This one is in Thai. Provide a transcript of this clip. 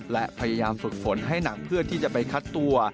และพยายามฝึกฝนให้หนักเพื่อที่จะไปคัดตัว